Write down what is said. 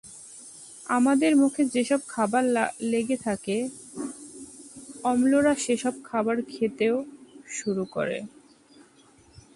আমাদের মুখে যেসব খাবার লেগে থাকে, অম্লরা সেসব খাবার খেতে শুরু করে।